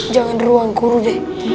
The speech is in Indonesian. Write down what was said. jangan di ruang guru deh